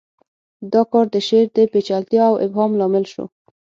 دا کار د شعر د پیچلتیا او ابهام لامل شو